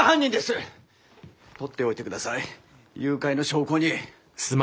撮っておいて下さい誘拐の証拠に。